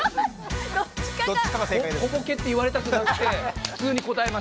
小ボケって言われたくなくて普通に答えました。